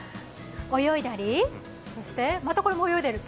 泳いだり、そして、また泳いでる。